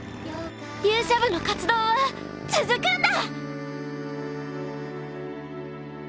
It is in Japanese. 勇者部の活動は続くんだ！